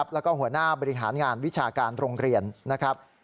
แล้วก็หัวหน้าบริหารงานวิชาการโรงเรียนนะครับ